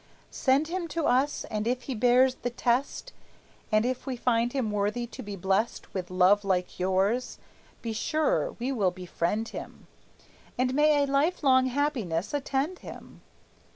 Send him to us; and if he bears the test, And if we find him worthy to be blest With love like yours, be sure we will befriend him; And may a life long happiness attend him!